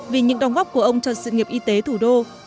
vì những đồng góp của ông cho sự nghiệp y tế thủ đô